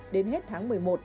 đến hết tháng một mươi một